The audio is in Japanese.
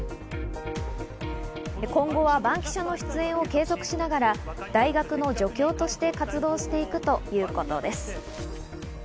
今後は『バンキシャ！』の出演を継続しながら大学の助教として活動していくということです。